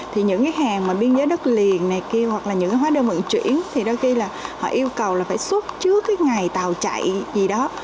thì những cái hàng mà biên giới đất liền này kia hoặc là những cái hóa đơn vận chuyển thì đôi khi là họ yêu cầu là phải xuất trước cái ngày tàu chạy gì đó